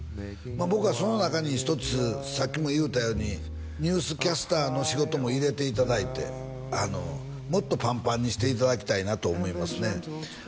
僕はその中に一つさっきも言うたようにニュースキャスターの仕事も入れていただいてもっとパンパンにしていただきたいなと思いますね